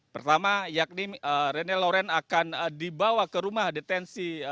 pertama yakni rene lawrence akan dibawa ke rumah detensi